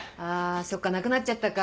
そっかなくなっちゃったかぁ。